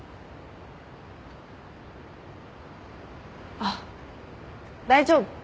あっ大丈夫。